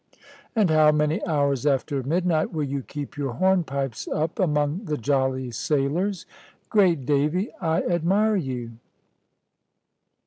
And how many hours after midnight will you keep your hornpipes up, among the 'jolly sailors!' Great Davy, I admire you."